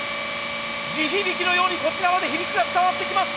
地響きのようにこちらまで響きが伝わってきます！